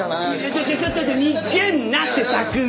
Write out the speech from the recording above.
ちょっとちょっと逃げるなって拓海！